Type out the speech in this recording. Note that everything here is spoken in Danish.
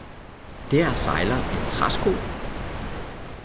Der sejler en træsko